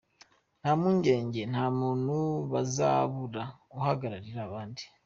Nta mpungenge, nta muntu bazabura uhagararira abandi.